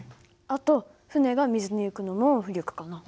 あと船が水に浮くのも浮力かな。